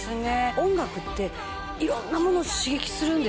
音楽って色んなものを刺激するんですね。